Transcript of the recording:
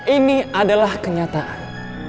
ini adalah kenyataan